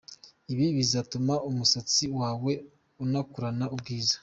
ibi bizatuma umusatsi wawe unakurana ubwiza .